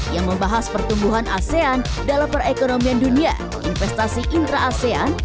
yang membahas pertumbuhan asean dalam perekonomian dunia investasi intra asean